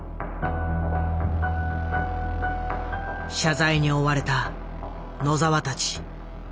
謝罪に追われた野澤たち。